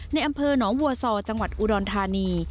ในอำเภอหนองวัวซอจังหวัดอุดรธานี